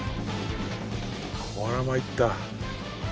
これはまいった。